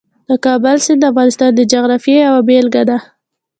د کابل سیند د افغانستان د جغرافیې یوه بېلګه ده.